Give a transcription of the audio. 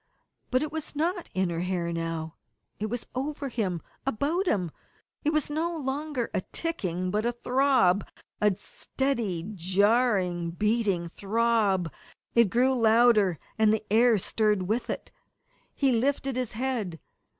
But it was not in her hair now. It was over him, about him it was no longer a ticking, but a throb, a steady, jarring, beating throb. It grew louder, and the air stirred with it. He lifted his head.